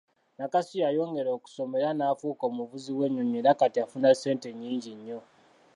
Nakasi yeyongera okusoma era naafuka omuvuzi w’ennyonnyi era kati afuna ssente nnyingi nnyo.